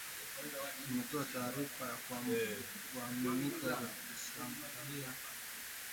"Tumeona taarifa za kuaminika za mashambulizi ya makusudi dhidi ya raia ambayo chini ya mkataba wa Geneva yangekuwa uhalifu wa kivita,"